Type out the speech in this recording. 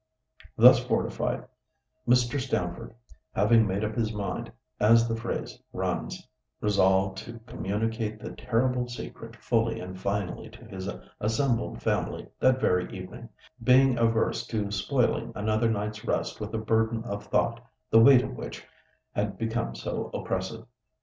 Thus fortified, Mr. Stamford, having made up his mind, as the phrase runs, resolved to communicate the terrible secret fully and finally to his assembled family that very evening, being averse to spoiling another night's rest with a burden of thought the weight of which had become so oppressive.